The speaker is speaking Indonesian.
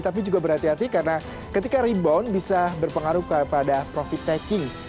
tapi juga berhati hati karena ketika rebound bisa berpengaruh kepada profit taking